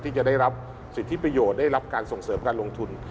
ที่จะได้รับสิทธิประโยชน์ได้รับการส่งเสริมการลงทุน